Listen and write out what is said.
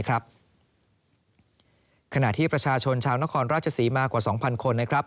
ขณะที่ประชาชนชาวนครราชศรีมากว่า๒๐๐คนนะครับ